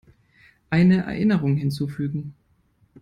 Eine Erinnerung hinzufügen.